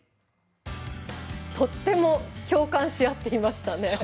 とっても共感しあっていましたね。